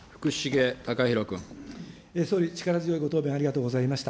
総理、力強いご答弁ありがとうございました。